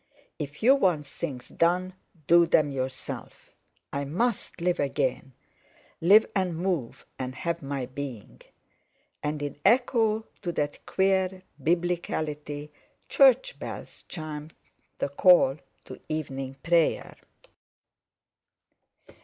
If you want things done, do them yourself. I must live again—live and move and have my being." And in echo to that queer biblicality church bells chimed the call to evening prayer.